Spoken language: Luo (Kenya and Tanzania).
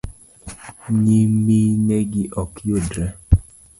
nyiminegi ok yudre